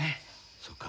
そうか。